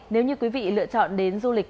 nếu như quý vị lựa chọn đến du lịch